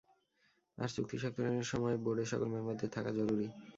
আর চুক্তি স্বাক্ষরের সময় বোর্ডের সকল মেম্বারদের থাকা জরুরী।